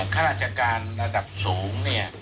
คณะจัดการณ์ระดับสูง